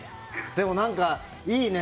でも何か、いいね。